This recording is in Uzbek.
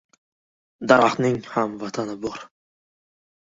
• Daraxtning ham vatani bor.